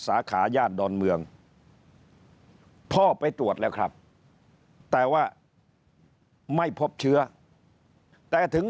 ขาย่านดอนเมืองพ่อไปตรวจแล้วครับแต่ว่าไม่พบเชื้อแต่ถึง